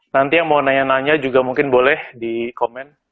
nanti yang mau nanya nanya juga mungkin boleh di komen